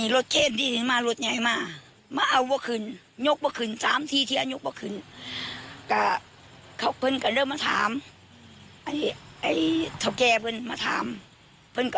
เราจะยาให้เขากลับไปเอาไปเลี้ยง